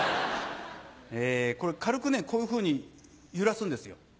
これ軽くこういうふうに揺らすんですよ。